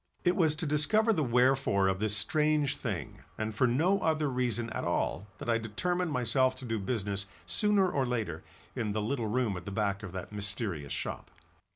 It was to discover the wherefore of this strange thing and for no other reason at all that I determined myself to do business sooner or later in the little room at the back of that mysterious shop.